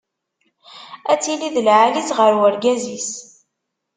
Ad tili d lεali-tt ɣer urgaz-is.